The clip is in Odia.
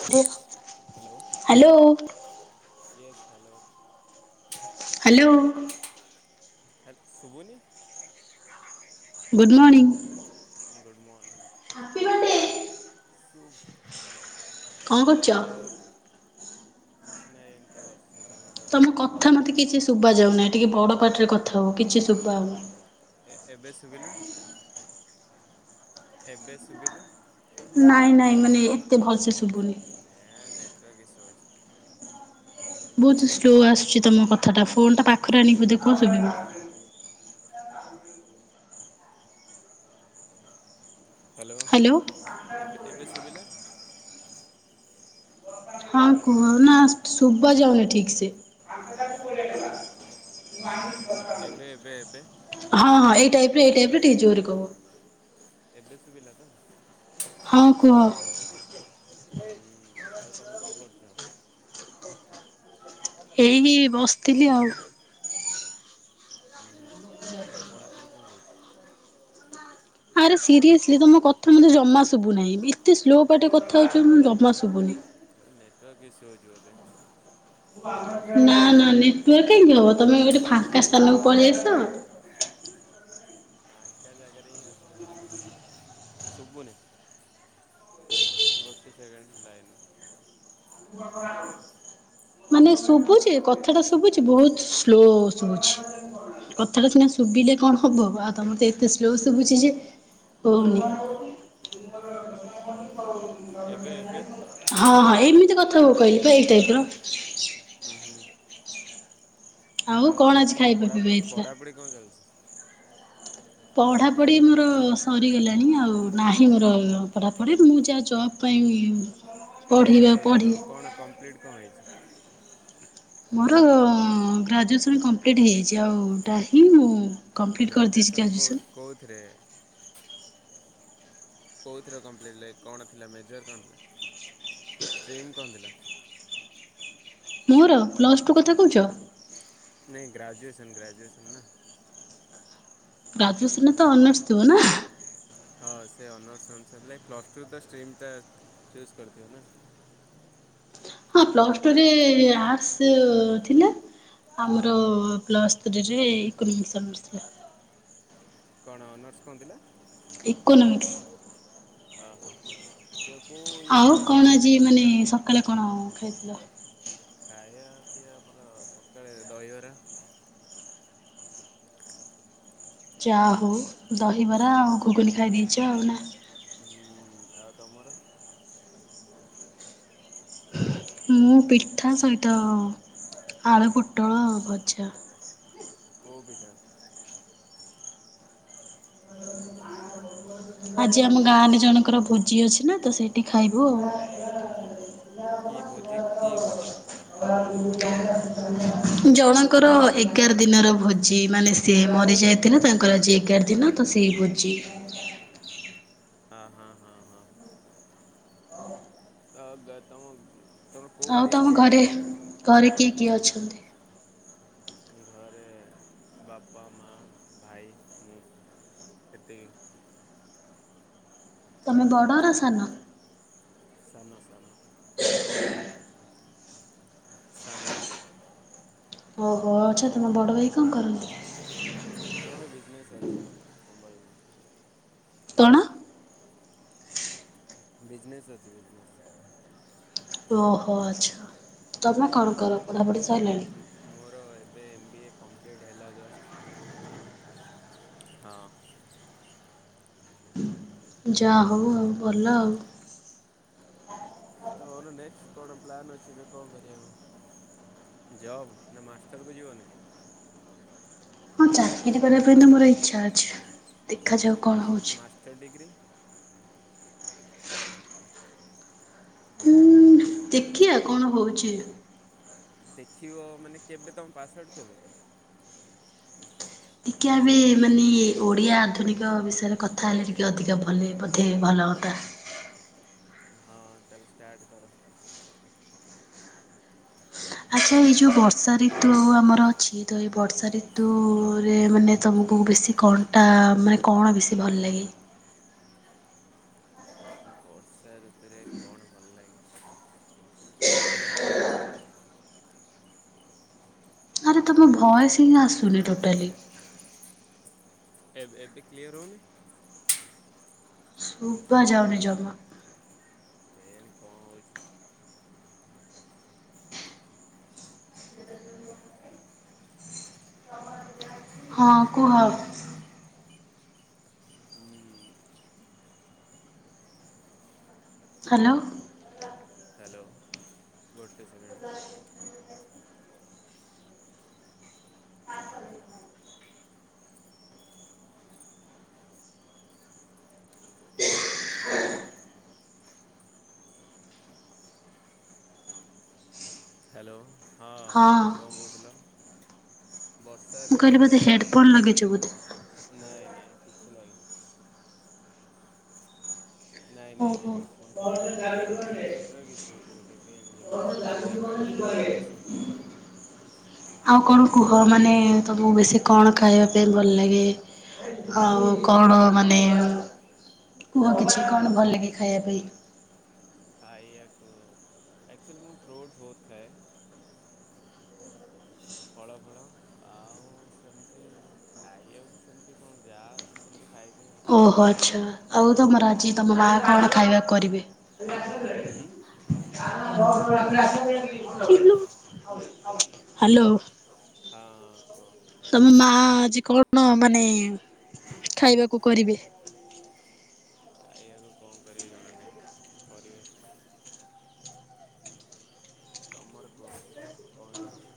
Hello hello. Yes hello. Hello. ହେ ଶୁଭୁନି?? Good morning. Good morning. Happy birthday. ସୁଭ କଣ କରୁଛ? ଆଉ କିଛି ନାହିଁ ଏମତି ବସ୍ ତମେ କ ତମ କଥା ମୋତେ କିଛି ଶୁଭା ଯାଉନାହିଁ ଟିକେ ବଡ଼ ପାଟିରେ କଥା ହୁଅ କିଛି ଶୁଭା ଯାଉନାହିଁ। ଏ ଏବେ ଶୁବିଲା, ଏବେ ଶୁବିଲା। ନାଇଁ ନାଇଁ ମାନେ ଏତେ ଭଲସେ ଶୁଗୁନି। ଏ ନେଟୱାର୍କ ଇସୁ ହଉଛି। ବହୁତ ସ୍ଲୋ ଆସୁଛି ତମ କଥାଟା ଫୋନ ଟା ଗୋଟେ ପାଖରୁ ଆଣି ସେକେଣ୍ଡ ରୁହ ବୋଦେ କୁହ, ସୁବିବ। ହାଲୋ। ହାଲୋ। ଏବେ ଏବେ ଶୁଭିଲା। ହଁ କୁହ ନା, ସୁବା ଯାଉନି ଠିକ୍ ସେ। [unintelligible] ଏବେ ଏବେ ଏବେ ହଁ ହଁ ଏଇ ଟାଇପ୍ ରେ, ଏଇ ଟାଇପ ରେ ଟିକେ ଜୋରେ କୁହ। ଏବେ ଶୁଭିଲା ତ? ହଁ କୁହ। ହୁଁ ଆଉ ତମେ କଣ କରୁଛ? ଏଇ ବସିଥିଲି ଆଉ। ହୁଁ ହୁଁ, ଆଉ ତମ ପଢ଼ାପଢ଼ି କଣ ଚାଲିଛି? ଆରେ ସିରିଏସ୍ଲି ତମ କଥା ମୋତେ ଜମା ଶୁବୁନାହିଁ, ଏତେ ସ୍ଲୋ ପାଟିରେ କଥା ହଉଛ ମୁଁ ଜମା ଶୁଭୁନି। ନେଟୱାର୍କ ଇସୁ ହଉଛି ବୋଧେ। ହ୍ୟାଲୋ ନା ନା ନେଟୱାର୍କ କାହିଁକି ହବ, ତମେ ଗୋଟେ ଫାଙ୍କା ସ୍ଥାନକୁ ପଳେଇଆସ। ଫାଙ୍କା ଜାଗାରେ ହିଁ ଅଛି, ସୁବୁନି। ଗୋଟିଏ ସେକେଣ୍ଡ ଲାଇନ୍ ରେ [unintelligible] ମାନେ ସୁବୁଛି, କଥାଟା ସୁବୁଛି, ବହୁତ ସ୍ଲୋ ଶୁବୁଛି। କଥାଟା ସିନା ଶୁବିଲେ କଣ ହବ, ଆଉ ତମର ତ ଏତେ ସ୍ଲୋ ଶୁବୁଛିି ଯେ ହଉନି। [inaudible] ଏବେ ଏବେ। ହଁ ହଁ ଏମିତି କଥା ହବ କହିଲି ବା ଏଇ ଟାଇପ୍ ର। ହୁଁ ହୁଁ। ଆଉ ତମ ଆଜି କଣ ଖାଇବା ପିଇବା ପଢାପଢି, ହେଇଥିଲା? ପଢାପଢି କଣ ଚାଲିଛି? ପଢ଼ାପଢ଼ି ମୋର ସରିଗଲାଣି ଆଉ ନାହିଁ ମୋର ପଢ଼ାପଢ଼ି, ମୁଁ ଯାହା ଜବ୍ ପାଇଁ କଣ ପଢିବା ସରିଛି ପଢି ତମେ କଣ କମ୍ପ୍ଲିଟ୍ କଣ ହେଇଛି? ମୋର ଗ୍ରାଜୁଏସନ୍ କମ୍ପ୍ଲିଟ୍ ହେଇଯାଇଛି, ଆଉଟାହି ମୁଁ କମ୍ପ୍ଲିଟ କରିଦେଇଛି ଗ୍ରାଜୁଏସନ୍। କୋଉଥିରେ? କୋଉଥିରେ କମ୍ପ୍ଲିଟ ହେଲା କଣ ଥିଲା ମେଜର୍ କଣଥିଲା ଷ୍ଟ୍ରିମ୍ କଣ ଥିଲା? ମୋର ପ୍ଲସଟୁ କଥା କହୁଛ? ନାଇଁ ଗ୍ରାଜୁଏସନ୍ ଗ୍ରାଜୁଏସନ୍ ନା? ଗାଜୁଏସନ୍ ରେ ତ ଅନର୍ସ ଥିବ ନା? ହଁ ସେ ଅନର୍ସ ଅନୁସାରେ ପ୍ଲସଟୁ ତ ଷ୍ଟ୍ରିମ୍ଟା ଫେସ୍ କରିଥିବ ନା। ହଁ ପ୍ଲସଟୁ ରେ ଆର୍ଟସ୍ ଥିଲା। ଆମର ପ୍ଲସ୍ ଥ୍ରୀରେ ଇକୋନୋମିକ୍ସ ଅନର୍ସ ଥିଲା। କଣ ଅନର୍ସ କଣ ଥିଲା? ଇକୋନମିକ୍ସ। ଓହୋ। [unintelligible] ଆଉ କଣ ଆଉଟ୍? ଆଜି ମାନେ ସକାଳେ କଣ ଖାଇଥିଲ? ଖାଇବା ପିଇବା ଆ ପର ସକାଳେ ଦହିବରା [inaudible] ଯାହା ହଉ ଦହିବରା ଆଉ ଘୁଗୁନି ଖାଇ ଦେଇଛ ଆଉ ନା। ହଁ ଆଉ ତମର? ମୁଁ ପିଠା ସହିତ ଆଳୁ ପୋଟଳ ଭଜା। କୋ ପିଠା? [unintelligible] ଆଜି ଆମ ଗାଁରେ ଜଣଙ୍କର ଭୋଜି ଅଛି ନା ତ ସେଇଠି ଖାଇବୁ ଆଉ। କି ଭୋଜି? ହଉ। କି ଭୋଜି [unintelligible] ଜଣଙ୍କର ଏଗାର ଦିନର ଭୋଜି ମାନେ ସେ ମରି ଯାଇଥିଲା ତାଙ୍କର ଆଜି ଏଗାର ଦିନ ତ ସେଇ ଭୋଜି। ହଁ ହଁ ହଁ ହଁ। ହଁ [inaudible] [unintelligible] ଆଉ ତମ ଡିଷ୍ଟ୍ରିକ୍ଟ ଘରେ ଘରେ କିଏ କିଏ ଅଛନ୍ତି? ଘରେ ବାପା ମା ଭାଇ ମୁଁ ଏତିକି। ତୁମେ ବଡ଼ ନା ସାନ? ସାନ ସାନ। [unintelligible] ସାନ। ଓହୋ ଆଚ୍ଛା ତମ ବଡ଼ ଭାଇ କଣ କରନ୍ତି? ଆମର ବିଜନେସ୍ ଅଛି ସମ୍ବଳିକ କଣ? ବିଜନସ ଅଛି ବିଜନସ। ଓହୋ ଆଚ୍ଛା ତୁମେ କଣ କର ପଢ଼ାପଢ଼ି ସାରିଲାଣି? ମୋର ଏବେ ଏମ୍ ବି ଏ କମ୍ପ୍ଲିଟ୍ ହେଲା ଜଷ୍ଟ୍। ହଁ। ଯାହା ହଉ ଭଲ ଆଉ। ତମର ନେକ୍ସଟ କଣ ପ୍ଲାନ୍ ଅଛି ଏବେ କଣ କରିବାକୁ? ଜବ ନା ମାଷ୍ଟର ବି ଯିବନି? ହଁ ଚାକିରି କରିବା ପାଇଁ ତ ମୋର ଇଚ୍ଛା ଅଛି ଦେଖାଯାଉ। କଣ ହଉଛି ମାଷ୍ଟର୍ ଡିଗ୍ରୀ। ଦେଖିଆ କଣ ହଉଛି? ଦେଖିବ ମାନେ କେବେ ତମ ପାସଆଉଟ କେବେ? ଟିକେ ଆମେ ମାନେ ଓଡିଆ ଆଧୁନିକ ବିଷୟରେ କଥା ହେଲେ ଟିକେ ଅଧିକା ଭଲେ ବୋଧେ ଭଲ ହନ୍ତା। ହଁ ତାହେଲେ ଷ୍ଟାର୍ଟ କର। ଆଚ୍ଛା ଏଇ ଯୋଉ ବର୍ଷା ରିତୁ ଆମର ଅଛି ତ ଏଇ ବର୍ଷା ରିତୁରେ ମାନେ ତୁମକୁ ବେଶୀ କଅଣ୍ଟା ମାନେ କଣ ବେଶୀ ଭଲ ଲାଗେ? ବର୍ଷା ଋତୁରେ କଣ ଭଲ ଲାଗେ? ବୁଲିଆକୁ। ଆରେ ତମ ଭଏସ ହିଁ ଆସୁନି ଟୋଟାଲି। ଏବେ ଏବେ କ୍ଲିୟର ହଉନି? ଶୁବା ଯାଉନି ଜମା। କେଜାଣି କଁ ହଉଛି? ହଁ କୁହ। ଉଁହୁଁ ହାଲୋ। ହ୍ୟାଲୋ, ଗୋଟେ ସେକେଣ୍ଡ। ହ୍ୟାଲୋ ହଁ କଁ କହୁଥିଲ? ବର୍ଷା ମୁଁ ଋତୁ, କହିଲି ବୋଧେ ବର୍ଷାରେ ହେଡ଼ଫୋନ୍ ଲଗେଇଛ ବୋଧେ? ନାଇଁ ନାଇଁ କିଛି ଲାଗିନି। ନାଇଁ ନାଇଁ ନାଇଁ ଓହୋ ହେଡଫୋନ ଫେଡଫୋନ୍ କିଛି ଲାଗିନି। ଏଟା ନେଟୱାର୍କ ଇସୁ ହଉଛି ବୋଧେ କେଜାଣି ଜଣାନାଇଁ। କି ଏ ଜାଗାରେ ହେଉଛି ନେଟର୍କ ଇସୁ। ଆଉ କଣ କୁହ, ମାନେ ତମକୁ ବେଶୀ କଣ ଖାଇବା ପାଇଁ ଭଲ ଲାଗେ? ଆଉ କଣ ମାନେ, କୁହ କିଛି କଣ ଭଲ ଲାଗେ ଖାଇବା ପାଇଁ? ଖାଇଆକୁ ଆକଚୁଆଲି ମୁଁ ଫ୍ରୁଟ ବହୁତ ଖାଏ। ଫଳ, ଫଳ ଆଉ ସେମିତି ଖାଇବାକୁ ସେମିତି କଣ ଯାହା ଅଛି ସେମିତି ଖାଇବି ଆଉ। ତମେ ଓହୋ କୁହ? ଆଚ୍ଛା ଆଉ ତମର ଆଜି ତମ ମା କଣ ଖାଇବାକୁ କରିବେ? ଉଁ? ହାଲୋ। ହଁ ହଁ କୁହ। ତମ ମା ଆଜି କଣ ମାନେ ଖାଇବାକୁ କରିବେ? ଖାଇବାକୁ କଣ କରିବେ ଜଣା ନାଇଁ, କରିବେ। ତମର କୁହ କଣ ଚାଲିଛି?